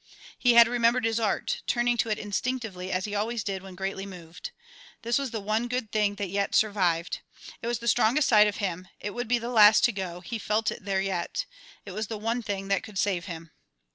He had remembered his art, turning to it instinctively as he always did when greatly moved. This was the one good thing that yet survived. It was the strongest side of him; it would be the last to go; he felt it there yet. It was the one thing that could save him.